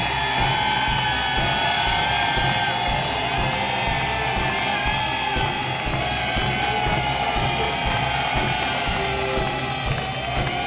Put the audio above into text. ก็ไม่ตุก